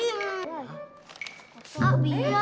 eh ada lagi